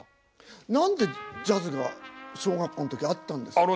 何でジャズが小学校の時あったんですか？